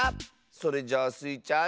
それじゃあスイちゃん